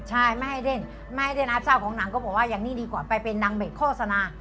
ใช่ไม่ให้เล่นไม่ให้เล่นนะเจ้าของหนังก็บอกว่าอย่างนี้ดีกว่าไปเป็นนางเอกโฆษณา